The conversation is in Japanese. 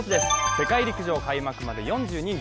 世界陸上開幕まで４２日。